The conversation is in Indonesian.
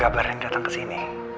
gak berhasil datang kesini